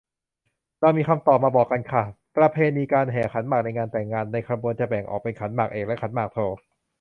เรามีคำตอบมาบอกกันค่ะ ประเพณีการแห่ขันหมากในงานแต่งงาน ในขบวนจะแบ่งออกเป็น ขันหมากเอก และ ขันหมากโท